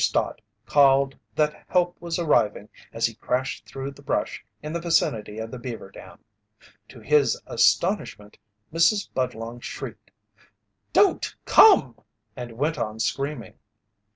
Stott called that help was arriving as he crashed through the brush in the vicinity of the beaver dam. To his astonishment Mrs. Budlong shrieked: "Don't come!" and went on screaming.